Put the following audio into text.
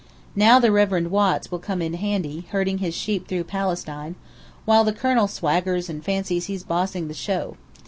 Now the Reverend Watts will come in handy, herding his sheep through Palestine, while the colonel swaggers and fancies he's bossing the show.